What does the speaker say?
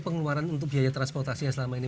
pengeluaran untuk biaya transportasi yang selama ini